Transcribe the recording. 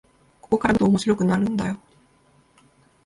ここからぐっと面白くなるんだよ